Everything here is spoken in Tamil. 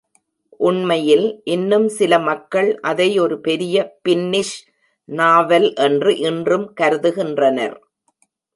உண்மையில், இன்னும் சில மக்கள் அதை ஒரு பெரிய பின்னிஷ் நாவல் என்று இன்றும் கருதுகின்றனர்.